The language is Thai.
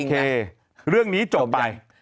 เรื่องนี้จบไป